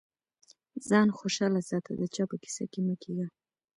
ځان خوشاله ساته د چا په کيسه کي مه کېږه.